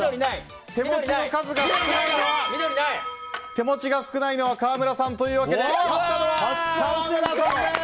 手持ちの数が少ないのは川村さんというわけで勝ったのは川村さんです！